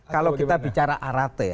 kalau kita bicara arati